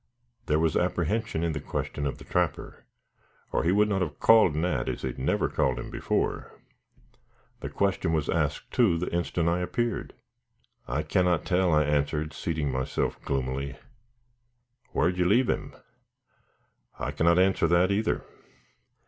There was apprehension in the question of the trapper, or he would not have called Nat, as he had never called him before. The question was asked, too, the instant I appeared. "I cannot tell," I answered, seating myself gloomily. "Whar'd you leave him?" "I cannot answer that either.